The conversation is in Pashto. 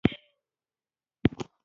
_يوازې تفدانۍ پاتې دي.